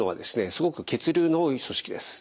すごく血流の多い組織です。